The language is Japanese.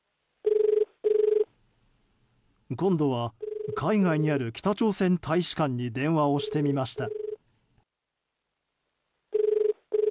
今度は海外にある北朝鮮大使館に電話をしてみました。